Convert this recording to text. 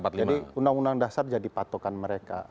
jadi undang undang dasar jadi patokan mereka